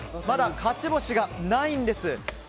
まだ勝ち星がないんです。